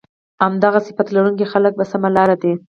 همدغه صفت لرونکي خلک په سمه لار دي